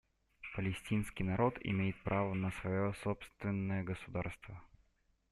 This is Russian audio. Палестинский народ имеет право на свое собственное государство.